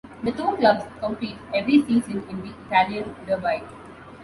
The two clubs compete every season in the Italian Derby.